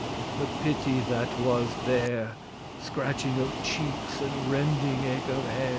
the pity that was there, Scratching of cheeks, and rending eke of hair.